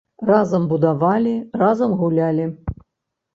Разам будавалі, разам гулялі.